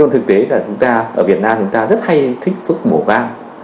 thực tế là chúng ta ở việt nam chúng ta rất hay thích thuốc bổ gan